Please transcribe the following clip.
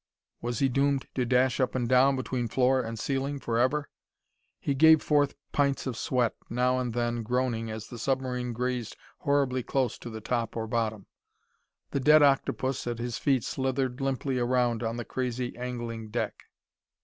Was he doomed to dash up and down between floor and ceiling forever? He gave forth pints of sweat, now and then groaning as the submarine grazed horribly close to top or bottom. The dead octopus at his feet slithered limply around on the crazy angling deck.